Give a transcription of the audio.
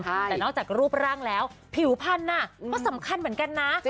แต่นอกจากรูปร่างแล้วผิวพันธุ์ก็สำคัญเหมือนกันนะ